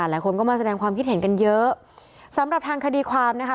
หลายคนก็มาแสดงความคิดเห็นกันเยอะสำหรับทางคดีความนะคะ